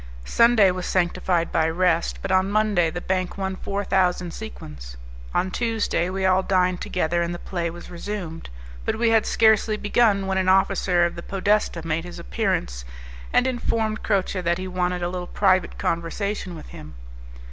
Sunday was sanctified by rest, but on Monday the bank won four thousand sequins. On the Tuesday we all dined together, and the play was resumed; but we had scarcely begun when an officer of the podesta made his appearance and informed Croce that he wanted a little private conversation with him.